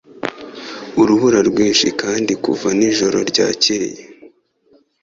Urubura rwinshi kandi kuva nijoro ryakeye